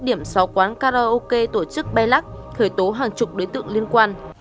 điểm sáu quán karaoke tổ chức bayluck khởi tố hàng chục đối tượng liên quan